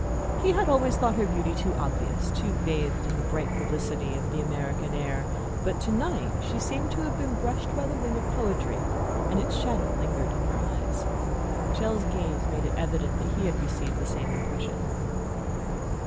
He had always thought her beauty too obvious, too bathed in the bright publicity of the American air; but to night she seemed to have been brushed by the wing of poetry, and its shadow lingered in her eyes. Chelles' gaze made it evident that he had received the same impression.